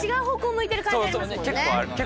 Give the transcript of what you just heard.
向いてる感じありますもんね。